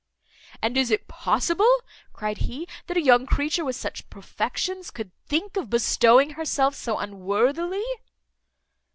"And is it possible," cried he, "that a young creature with such perfections should think of bestowing herself so unworthily?"